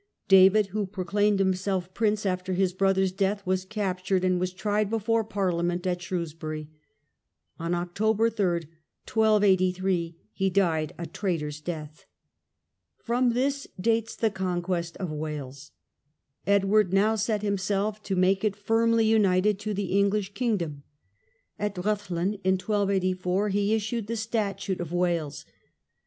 David, who proclaimed himself prince after his brother's death, was captured, and was tried before Parliament at Shrewsbury. On October 3, 1283, he died a traitor's death. From this dates the conquest of Wales. Edward now set himself to make it firmly united to the English kingdom. At Rhuddlan, in 1284, he issued the Statute of Wales.